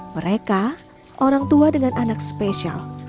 mereka orang tua dengan anak spesial